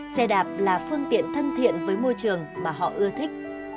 xe đạp là phương tiện thân thiện với môi trường mà họ ưa thích